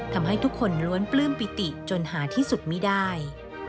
ทำให้ทุกคนล้วนปลื้มปิติจนหาที่สุดไม่ได้